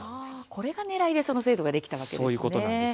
これがねらいでその制度ができたんですね。